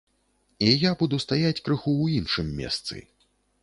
І я буду стаяць крыху ў іншым месцы.